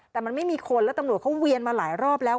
แต่มันไม่มีคนแล้วตำรวจเขาเวียนมาหลายรอบแล้ว